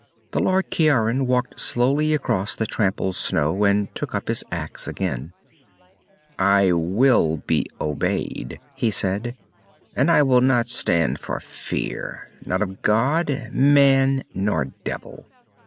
The Lord Ciaran walked slowly across the trampled snow and took up his axe again. "I will be obeyed," he said. "And I will not stand for fear, not of god, man, nor devil."